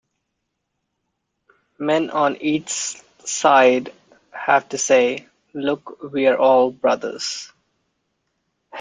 Men on each side have to say: Look we're all brothers.